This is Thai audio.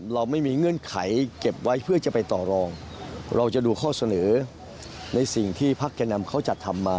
เราไม่มีเงื่อนไขเก็บไว้เพื่อจะไปต่อรองเราจะดูข้อเสนอในสิ่งที่พักแก่นำเขาจัดทำมา